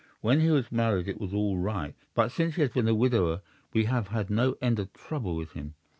When he was married it was all right, but since he has been a widower we have had no end of trouble with him.